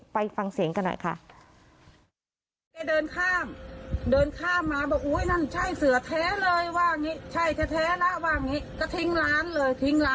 ไปฟังเสียงกันหน่อยค่ะ